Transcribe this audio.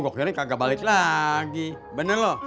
pokoknya ini kagak balik lagi bener lo